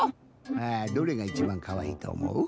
どれがいちばんかわいいとおもう？